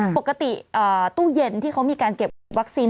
ปกติตู้เย็นที่เขามีการเก็บวัคซีน